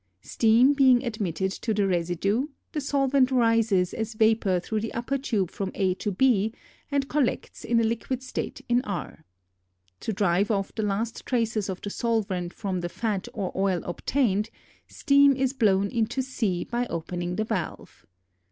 Steam being admitted to the residue, the solvent rises as vapor through the upper tube from A to B and collects in a liquid state in R. To drive off the last traces of the solvent from the fat or oil obtained, steam is blown into C by opening the valve.